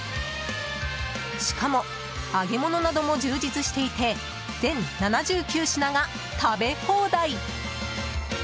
しかも、揚げ物なども充実していて全７９品が食べ放題。